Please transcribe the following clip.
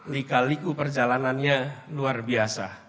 lika liku perjalanannya luar biasa